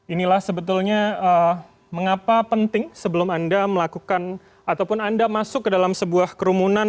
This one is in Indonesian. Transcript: inilah sebetulnya mengapa penting sebelum anda melakukan ataupun anda masuk ke dalam sebuah kerumunan